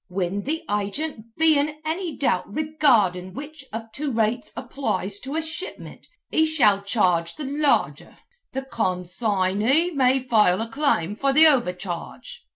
'Whin the agint be in anny doubt regardin' which of two rates applies to a shipment, he shall charge the larger. The con sign ey may file a claim for the overcharge.'